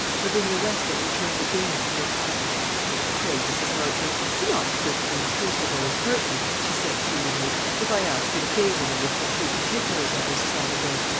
Lavinia Weston returned again to the attack. "Pray, Mrs. Marchmont, do not think me intrusive or impertinent," she said pleadingly, "if I ask you to favour me with the true particulars of this sad event.